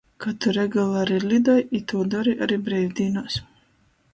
Ka Tu regulari lidoj i tū dori ari breivdīnuos.